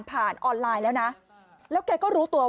ผ่านออนไลน์แล้วนะแล้วแกก็รู้ตัวว่าแกถูกรางวัลที่๑